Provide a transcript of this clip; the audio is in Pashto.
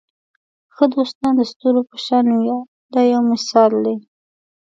ښه دوستان د ستورو په شان وي دا یو مثال دی.